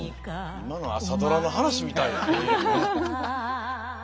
今の朝ドラの話みたいやね。